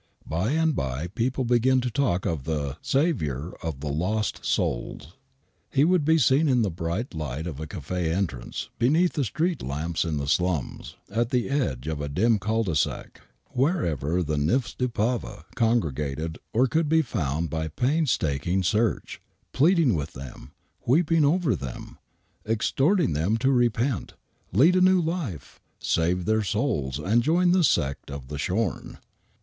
By and by people began to talk of the " Saviour of the Lost Souls." He would be seen in the bright light of a cafe entrance, be neath the street lamps in the slums, at the edge of a dim cul de sao — ^wherever the " nymphes du pave " congregated or could be found by painstaking search — pleading with them, weeping over them, exhorting them to repent, lead a new life, save their souls and join the sect of the Sliorn.